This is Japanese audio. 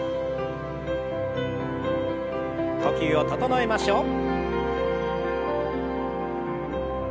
呼吸を整えましょう。